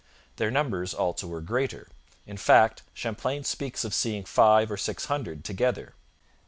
Their numbers also were greater; in fact, Champlain speaks of seeing five or six hundred together.